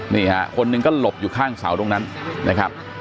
นี่ฮะคนหนึ่งก็หลบอยู่ข้างเสาตรงนั้นนะครับ